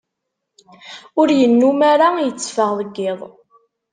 Ur yennum ara yetteffeɣ deg iḍ.